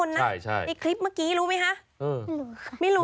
น้ำตาตกโคให้มีโชคเมียรสิเราเคยคบกันเหอะน้ำตาตกโคให้มีโชค